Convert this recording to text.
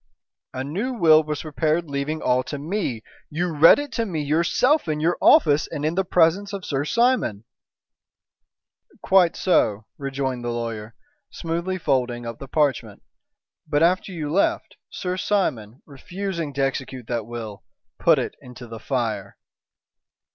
"A new will was prepared leaving all to me. You read it to me yourself in your office and in the presence of Sir Simon." "Quite so," rejoined the lawyer, smoothly folding up the parchment; "but after you left, Sir Simon, refusing to execute that will, put it into the fire."